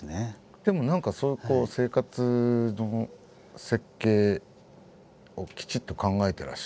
でも何かそういうこう生活の設計をきちっと考えていらっしゃる。